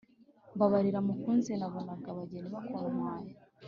Mbabarira mukunzi. Nabonaga abageni bakuntwaye.